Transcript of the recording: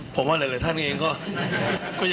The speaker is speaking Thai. ผมว่าหลายท่านเองก็